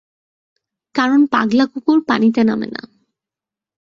কারণ, পাগলা কুকুর পানিতে নামে না।